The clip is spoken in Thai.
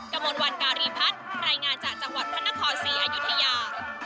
กระมวลวันการีพัฒน์รายงานจากจังหวัดพระนครศรีอยุธยา